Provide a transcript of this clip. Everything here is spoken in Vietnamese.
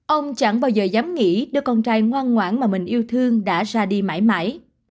ông chẳng bao giờ dám nghĩ đưa con trai ngoan ngoãn mà mình yêu thương đã ra đi mãi mãi